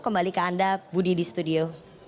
kembali ke anda budi di studio